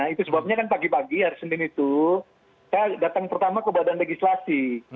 itu sebabnya kan pagi pagi hari senin itu saya datang pertama ke badan legislasi